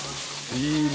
いいね。